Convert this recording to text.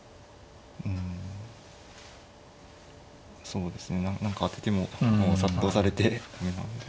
そうですね何か当ててももう殺到されて駄目なんで。